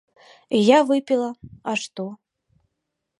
І я выпіла, а што?